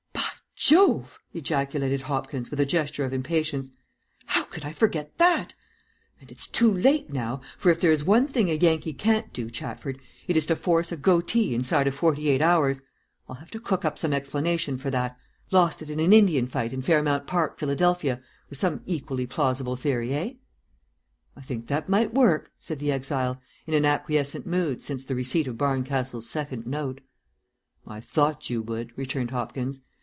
"By Jove!" ejaculated Hopkins, with a gesture of impatience. "How could I forget that? And it's too late now, for if there is one thing a Yankee can't do, Chatford, it is to force a goatee inside of forty eight hours. I'll have to cook up some explanation for that lost it in an Indian fight in Fairmount Park, Philadelphia, or some equally plausible theory, eh?" "I think that might work," said the exile, in an acquiescent mood since the receipt of Barncastle's second note. "I thought you would," returned Hopkins.